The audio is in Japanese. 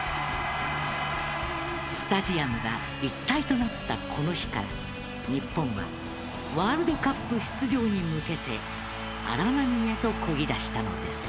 スタジアムが一体となったこの日から日本はワールドカップ出場に向けて荒波へとこぎ出したのです。